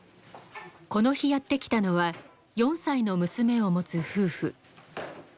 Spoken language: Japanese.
この日やって来たのは４歳の娘を持つ夫婦。